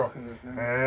へえ！